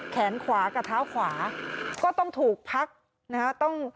แขนขวากับเท้าขวาก็ต้องถูกพักนะฮะ